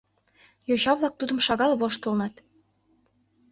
Йоча-влак тудым шагал воштылыныт.